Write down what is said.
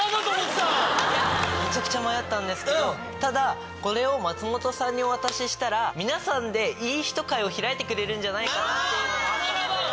めちゃくちゃ迷ったんですけどただこれを松本さんにお渡ししたら。を開いてくれるんじゃないかなっていうのもあったので。